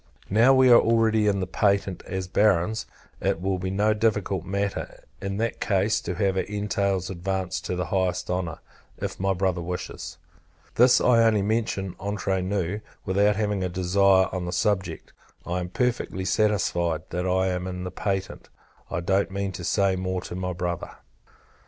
Now we are already in the patent, as Barons; it will be no difficult matter, in that case, to have our entails advanced to the highest honour, if my brother wishes. This I only mention entre nous, without having a desire on the subject. I am perfectly satisfied, that I am in the patent. I don't mean to say more to my Brother.